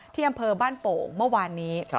อำเภอบ้านโป่งเมื่อวานนี้